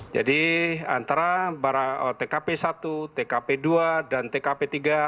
jadi antara tkp satu tkp dua dan tkp tiga